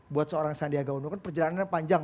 buat seorang sandiaga udo kan perjalanannya panjang